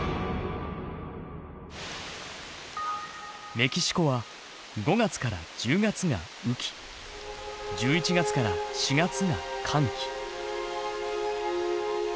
メキシコは５月から１０月が雨季１１月から４月が乾季。